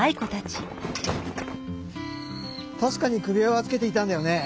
たしかにくびわはつけていたんだよね？